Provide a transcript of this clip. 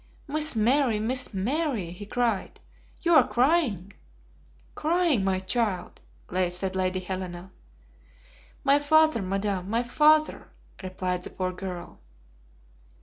"Miss Mary! Miss Mary!" he cried; "you are crying!" "Crying, my child!" said Lady Helena. "My father, madam, my father!" replied the poor girl.